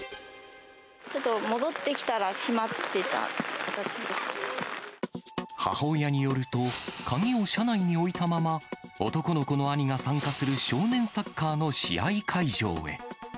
ちょっと戻ってきたら、母親によると、鍵を車内に置いたまま、男の子の兄が参加する少年サッカーの試合会場へ。